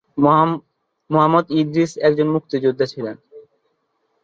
মোহাম্মদ ইদ্রিস একজন মুক্তিযোদ্ধা ছিলেন।